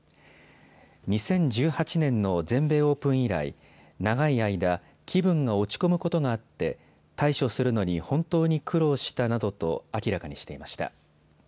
２０１８年の全米オープン以来、長い間、気分が落ち込むことがあって対処するのに本当に苦労したなどと明らかにしていました。